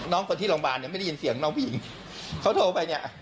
คนที่โรงพยาบาลเนี่ยไม่ได้ยินเสียงน้องผู้หญิงเขาโทรไปเนี่ย